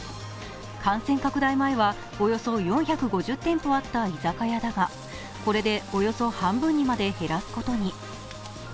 感染拡大前はおよそ４５０店舗あった居酒屋だがこれでおよそ半分にまで減らすことに。